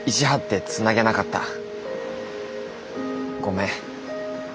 ごめん。